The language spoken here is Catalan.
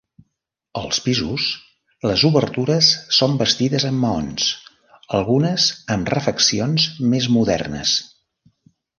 Als pisos, les obertures són bastides en maons, algunes amb refeccions més modernes.